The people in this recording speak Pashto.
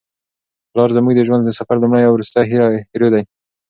پلار زموږ د ژوند د سفر لومړی او وروستی هیرو دی.